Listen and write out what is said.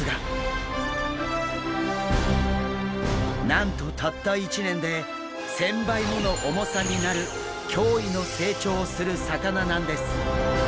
なんとたった１年で１０００倍もの重さになる驚異の成長をする魚なんです！